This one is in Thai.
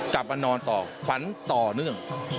กลับมานอนต่อฝันต่อเนื่อง